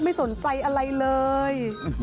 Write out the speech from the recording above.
ไม่สนใจอะไรเลย